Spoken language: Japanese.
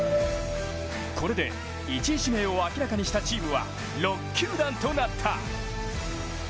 これで１位指名を明らかにしたチームは６球団となった。